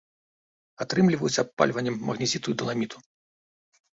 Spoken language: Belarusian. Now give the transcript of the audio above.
Атрымліваюць абпальваннем магнезіту і даламіту.